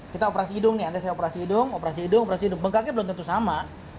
kita operasi hidung nih anda saya operasi hidung operasi hidung operasi hidung bengkaknya belum tentu sama